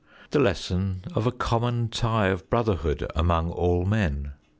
The lesson of a common tie of brotherhood among all men.